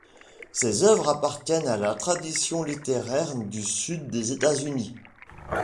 Ses œuvres appartiennent à la tradition littéraire du Sud des États-Unis.